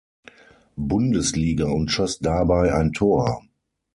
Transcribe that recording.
Bundesliga und schoss dabei ein Tor.